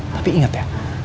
tapi inget ya